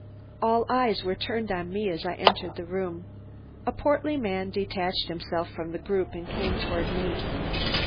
All eyes were turned on me as I entered the room. A portly man detached himself from the group and came toward me.